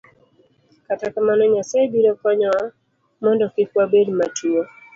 Kata kamano, Nyasaye biro konyowa mondo kik wabed matuwo.